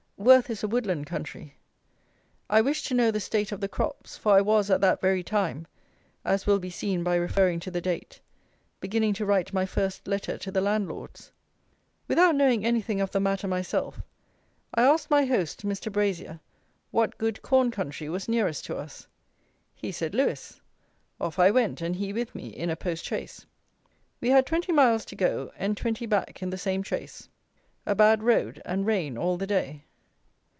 Worth is a woodland country. I wished to know the state of the crops; for I was, at that very time, as will be seen by referring to the date, beginning to write my First Letter to the Landlords. Without knowing anything of the matter myself, I asked my host, Mr. Brazier, what good corn country was nearest to us. He said Lewes. Off I went, and he with me, in a post chaise. We had 20 miles to go and 20 back in the same chaise. A bad road, and rain all the day.